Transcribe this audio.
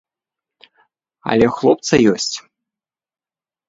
Але ў хлопца ёсць.